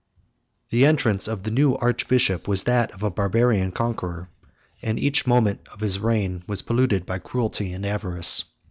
The entrance of the new archbishop was that of a Barbarian conqueror; and each moment of his reign was polluted by cruelty and avarice.